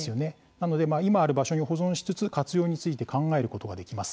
なので今ある場所に保存しつつ活用について考えることができます。